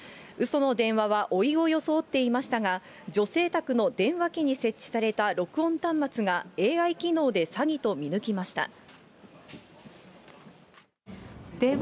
うその電話はおいを装っていましたが、女性宅の電話機に設置された録音端末がＡＩ機能で詐欺と見抜きました。